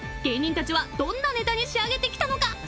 ［芸人たちはどんなネタに仕上げてきたのか］